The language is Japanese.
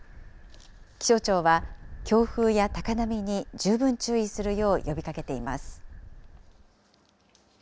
気象庁は強風や高波に十分注意するよう呼びかけています。